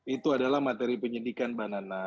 itu adalah materi penyidikan mbak nana